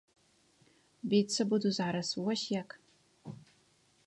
Біцца буду зараз, вось як!